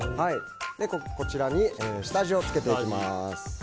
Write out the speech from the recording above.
こちらに下味を付けていきます。